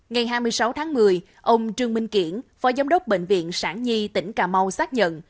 ngày hai mươi sáu tháng một mươi ông trương minh kiển phó giám đốc bệnh viện sản di tỉnh cà mau xác nhận